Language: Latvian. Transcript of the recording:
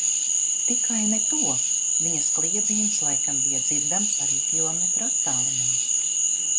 Tikai ne to! viņas kliedziens laikam bija dzirdams arī kilometra attālumā...